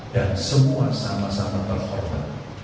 dan semua sama sama performa